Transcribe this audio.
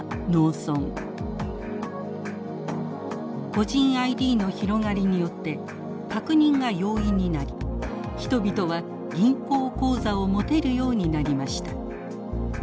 個人ＩＤの広がりによって確認が容易になり人々は銀行口座を持てるようになりました。